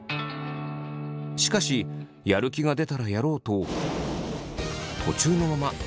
しかしやる気が出たらやろうと途中のままやめてしまいました。